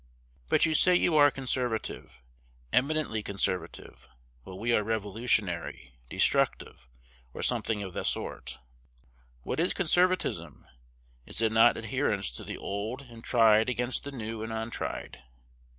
But you say you are conservative, eminently conservative; while we are revolutionary, destructive, or something of the sort. What is conservatism? Is it not adherence to the old and tried against the new and untried?